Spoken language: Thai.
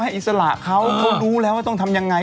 อิสระเขาเขารู้แล้วว่าต้องทำยังไง